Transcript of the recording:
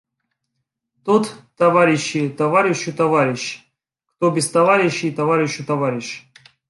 Тот, товарищи, товарищу товарищ, кто без товарищей товарищу товарищ.